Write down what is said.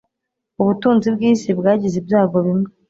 Ubutunzi bwisi bwagize ibyago bimwe